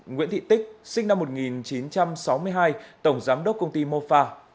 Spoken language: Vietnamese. nguyễn thị tích sinh năm một nghìn chín trăm sáu mươi hai tổng giám đốc công ty mofa